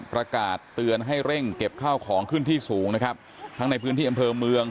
ประกาศเตือนให้เร่งเก็บข้าวของขึ้นที่สูงนะครับทั้งในพื้นที่อำเภอเมือง